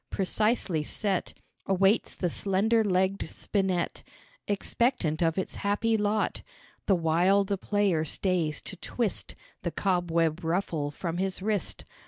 Precisely set Awaits the slender legged spinet Expectant of its happy lot, The while the player stays to twist The cobweb ruffle from his wrist.